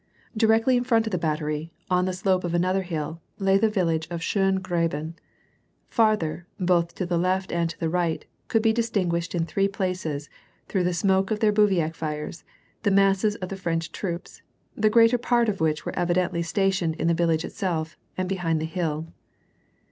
Directly in front of the battery, on the slope of another hill, lay the village of Schongraben. Farther, both to the left and to the right, could be distinguished in three places, through the smoke of their bivouac fires, the ma.sses of the French troops, Jthe greater [)art of which were evidently sta tioned in the village itself, and behind the hill.